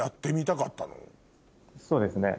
そうですね。